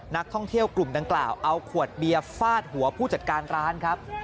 นักท่องเที่ยวกลุ่มดังกล่าวเอาขวดเบียร์ฟาดหัวผู้จัดการร้านครับ